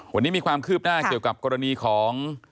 วันนี้มีความคืบหน้าเกี่ยวกับกรณีของ